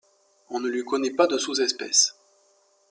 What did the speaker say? On ne lui connaît pas de sous-espèces.